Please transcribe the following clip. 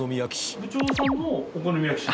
部長さんもお好み焼士？